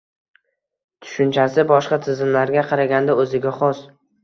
tushunchasi boshqa tizimlarga qaraganda o‘ziga xos